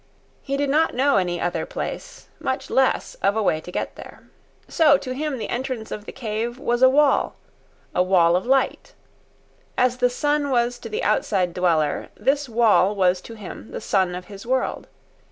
He did not know any other place, much less of a way to get there. So to him the entrance of the cave was a wall—a wall of light. As the sun was to the outside dweller, this wall was to him the sun of his world.